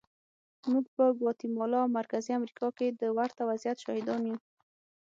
موږ په ګواتیمالا او مرکزي امریکا کې د ورته وضعیت شاهدان یو.